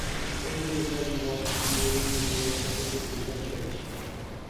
Page was very involved in religious work of the Episcopal church.